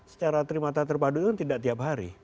secara primata terpadu itu tidak tiap hari